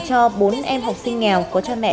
cho bốn em học sinh nghèo có cha mẹ